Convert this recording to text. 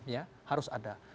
ya harus ada